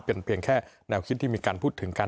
เป็นเพียงแค่แนวคิดที่มีการพูดถึงกัน